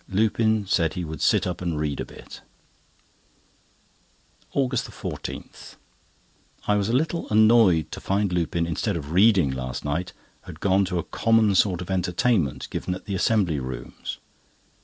Lupin said he would sit up and read a bit. AUGUST 14.—I was a little annoyed to find Lupin, instead of reading last night, had gone to a common sort of entertainment, given at the Assembly Rooms.